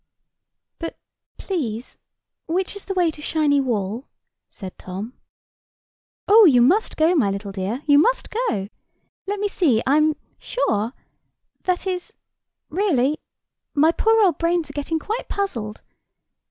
"But, please, which is the way to Shiny Wall?" said Tom. "Oh, you must go, my little dear—you must go. Let me see—I am sure—that is—really, my poor old brains are getting quite puzzled.